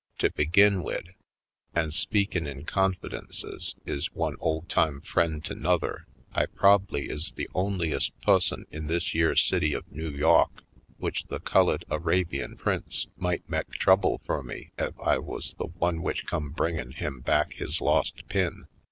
"To begin wid, an' speakin' in confidences ez one ole time f rien' to 'nother, I prob'ly is the onlyest pusson in this yere city of Noo Yawk w'ich the Cullid Arabian Prince might mek trouble fur me ef I wuz the one w'ich come bringin' him back his lost pin.